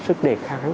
sức đề kháng